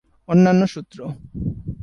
অন্যান্য সূত্র